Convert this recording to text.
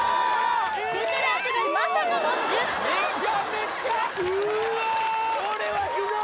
ベテラン世代まさかの１０点めちゃめちゃうわーこれはひどい！